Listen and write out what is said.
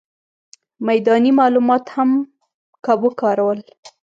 میداني معلومات یې هم وکارول.